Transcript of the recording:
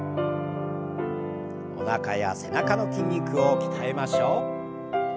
おなかや背中の筋肉を鍛えましょう。